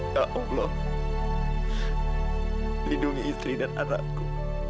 ya allah lindungi istri dan anakku